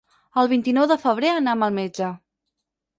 El vint-i-nou de febrer anam al metge.